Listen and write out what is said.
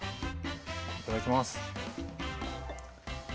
いただきます。